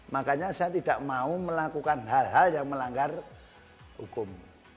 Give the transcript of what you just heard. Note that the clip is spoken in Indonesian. makanya saya tidak mau melakukan hal hal yang melanggar hukum